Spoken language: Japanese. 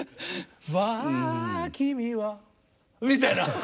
「わぁぁぁ君は」みたいな。